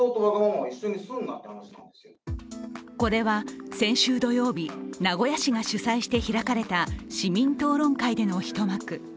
これは先週土曜日、名古屋市が主催して開かれた市民討論会での一幕。